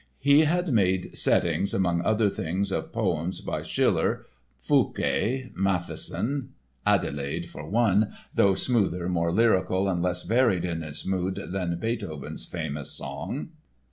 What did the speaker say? He had made settings among other things of poems by Schiller, Fouqué, Mattheson (Adelaide, for one, though smoother, more lyrical and less varied in its mood than Beethoven's famous song).